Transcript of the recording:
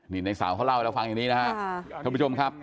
นี่ในสาวเขาเล่าให้เราฟังอย่างนี้นะครับท่านผู้ชมครับ